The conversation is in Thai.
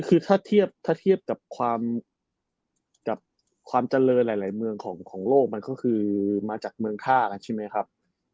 คือถ้าเทียบถ้าเทียบกับความเจริญหลายเมืองของโลกมันก็คือมาจากเมืองท่ากันใช่ไหมครับ